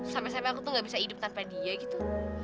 sampai sampai aku tuh gak bisa hidup tanpa dia gitu